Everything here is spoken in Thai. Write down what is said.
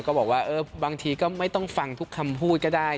บอกว่าบางทีก็ไม่ต้องฟังทุกคำพูดก็ได้